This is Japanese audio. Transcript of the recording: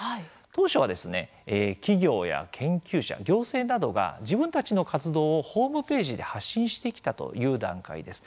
当初は企業や研究者、行政などが自分たちの活動をホームページで発信してきたという段階です。